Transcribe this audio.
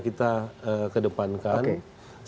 kita kedepankan oke